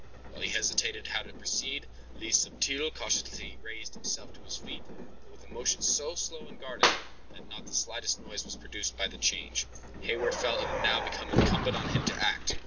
While he hesitated how to proceed, Le Subtil cautiously raised himself to his feet, though with a motion so slow and guarded, that not the slightest noise was produced by the change. Heyward felt it had now become incumbent on him to act.